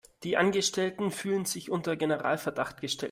Die Angestellten fühlen sich unter Generalverdacht gestellt.